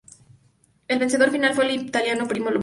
El vencedor final fue el italiano Primo Volpi.